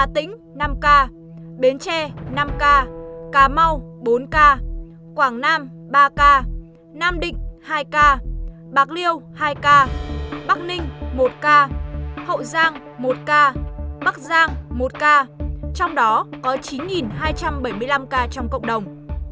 quảng nam ba ca nam định hai ca bạc liêu hai ca bắc ninh một ca hậu giang một ca bắc giang một ca trong đó có chín hai trăm bảy mươi năm ca trong cộng đồng